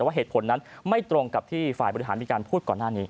ว่าเหตุผลนั้นไม่ตรงกับที่ฝ่ายบริหารมีการพูดก่อนหน้านี้